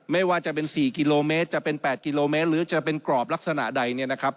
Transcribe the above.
ไม่ว่าจะเป็น๔กิโลเมตรจะเป็น๘กิโลเมตรหรือจะเป็นกรอบลักษณะใดเนี่ยนะครับ